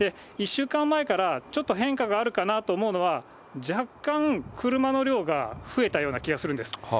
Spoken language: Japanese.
１週間前からちょっと変化があるかなと思うのは、若干、車の量が増えたような気がするんです。